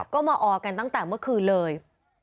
ก็มาออกันตั้งแต่เมื่อคืนเลย